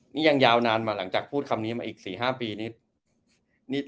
นี่ยังยาวนานมาหลังจากพูดคำนี้มาอีก๔๕ปีนี้